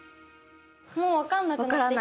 もう分かんなくなってきた。